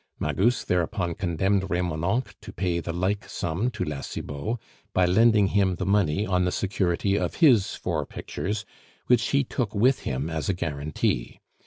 Magus thereupon condemned Remonencq to pay the like sum to La Cibot, by lending him the money on the security of his four pictures, which he took with him as a guarantee.